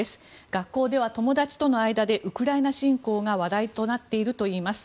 学校では友達との間でウクライナ侵攻が話題となっているといいます。